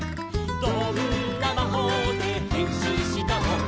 「どんなまほうでへんしんしたの？」